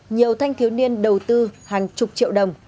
nhiều thanh thiếu niên đầu tư hàng chục triệu đồng